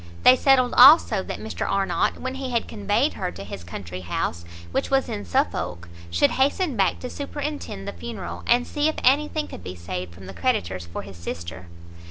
They settled also that Mr Arnott, when he had conveyed her to his country house, which was in Suffolk, should hasten back to superintend the funeral, and see if anything could be saved from the creditors for his sister.